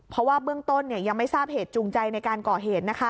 เพราะว่าเบื้องต้นยังไม่ทราบเหตุจูงใจในการก่อเหตุนะคะ